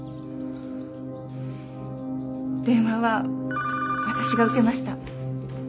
電話は私が受けました。